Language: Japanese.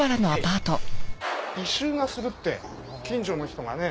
異臭がするって近所の人がね。